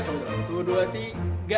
satu dua tiga